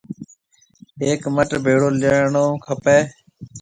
ھيَََڪ مَٽ ڀِي ليڻو کپيَ۔